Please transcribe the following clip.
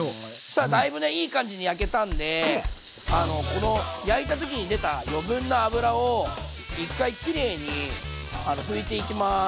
さあだいぶねいい感じに焼けたんでこの焼いた時に出た余分な脂を一回きれいに拭いていきます。